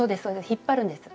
引っ張るんです。